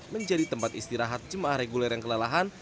menjadi tempat istirahat jemaah reguler yang kelelahan